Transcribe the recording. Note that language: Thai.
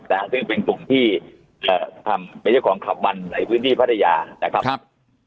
นะฮะซึ่งเป็นกลุ่มที่เอ่อทำเป็นเจ้าของขับมันในพื้นที่พัทยานะครับครับ